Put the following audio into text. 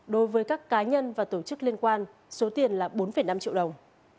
đối với các cá nhân và tổ chức liên quan số tiền là bốn năm triệu đồng